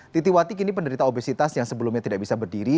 titiwati kini penderita obesitas yang sebelumnya tidak bisa berdiri